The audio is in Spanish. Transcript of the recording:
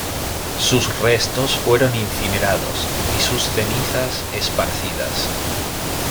Sus restos fueron incinerados, y sus cenizas esparcidas.